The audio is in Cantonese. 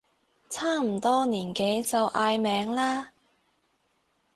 差唔多年紀就嗌名啦